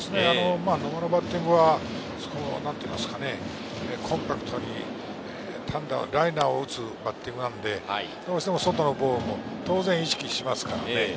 野間のバッティングはコンパクトにライナーを打つバッティングなので、どうしても外のボールは意識します。